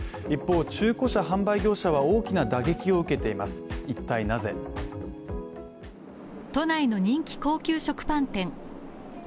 一方、中古車販売業者は大きなだげきを受けています、一体なぜ。都内の人気高級食パン店。